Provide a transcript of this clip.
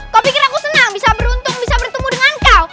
kau pikir aku senang bisa beruntung bisa bertemu dengan kau